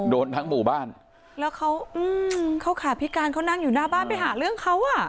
โดนทั้งหมู่บ้านแล้วเขาอืมเขาเขาขาพิการเขานั่งอยู่หน้าบ้านไปหาเรื่องเขาอ่ะ